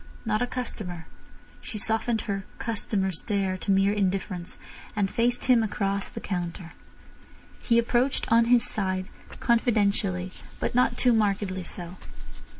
Not a customer. She softened her "customer stare" to mere indifference, and faced him across the counter. He approached, on his side, confidentially, but not too markedly so.